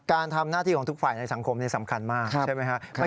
การทำหน้าที่ของทุกฝ่ายในสังคมนี้สำคัญมากใช่ไหมครับ